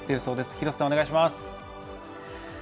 廣瀬さん、お願いします。